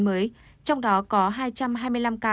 trong đó có bảy bảy trăm hai mươi ba f một đang cách ly y tế tại nhà